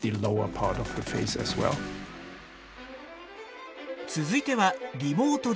続いてはリモートでの対話。